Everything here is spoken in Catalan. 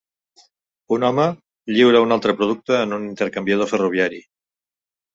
Un home lliura un altre producte en un intercanviador ferroviari.